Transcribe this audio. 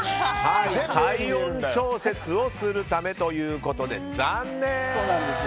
体温調節をするためということで残念！